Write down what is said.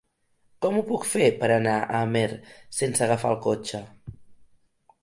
Com ho puc fer per anar a Amer sense agafar el cotxe?